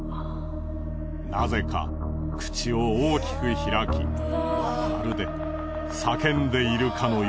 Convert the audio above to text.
なぜか口を大きく開きまるで叫んでいるかのようだ。